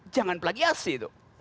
jangan plagiasi itu